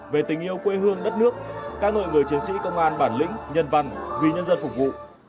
về tình yêu quê hương đất nước các đội người chiến sĩ công an bản lĩnh nhân văn vì nhân dân phục vụ